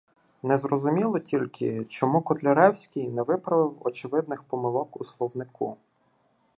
Не зрозуміло тільки, чому Котляревський не виправив очевидних помилок у словнику.